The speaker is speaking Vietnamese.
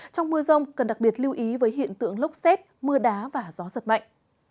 trong mưa rông cần đặc biệt lưu ý với hiện tượng lốc xét mưa đá và gió giật mạnh